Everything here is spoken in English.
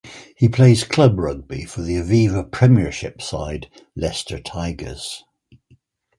He plays club rugby for the Aviva Premiership side Leicester Tigers.